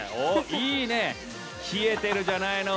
いいね、冷えてるじゃないの。